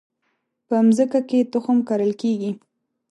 په مځکه کې تخم کرل کیږي